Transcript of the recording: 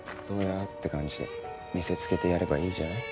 「どや」って感じで見せつけてやればいいじゃん。